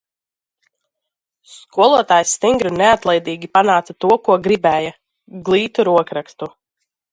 Skoltājs stingri un neatlaidīgi panāca to, ko gribēja - glītu rokrakstu.